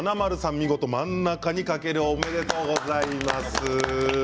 見事真ん中にかけるおめでとうございます。